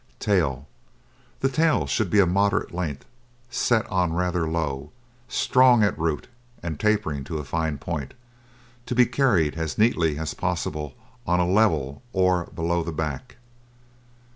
TAIL The tail should be of moderate length, set on rather low, strong at root, and tapering to a fine point, to be carried as nearly as possible on a level or below the back.